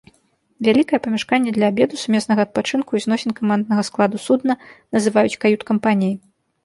Вялікае памяшканне для абеду, сумеснага адпачынку і зносін каманднага складу судна называюць кают-кампаніяй.